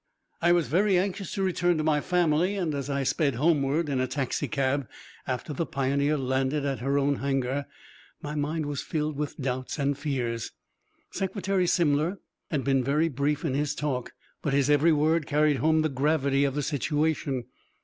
I was very anxious to return to my family, and, as I sped homeward in a taxicab after the Pioneer landed at her own hangar, my mind was filled with doubts and fears. Secretary Simler had been very brief in his talk, but his every word carried home the gravity of the situation.